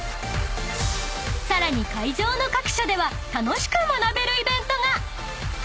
［さらに会場の各所では楽しく学べるイベントが］